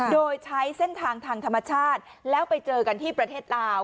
โดยใช้เส้นทางทางธรรมชาติแล้วไปเจอกันที่ประเทศลาว